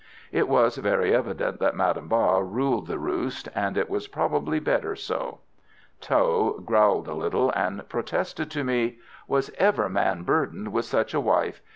It was very evident that Madame Ba ruled the roost, and it was probably better so. Tho growled a little, and protested to me: "Was ever man burdened with such a wife?